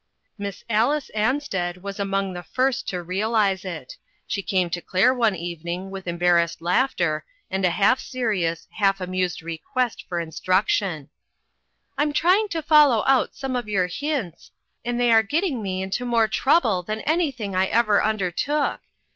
Miss Alice Ansted was among the first to realize it. She came to Claire one evening with embarrassed laughter, and a half serious, half amused request for instruction: "I'm trying to follow out some of your hints, and they are getting me into more trouble than anything I ever undertook.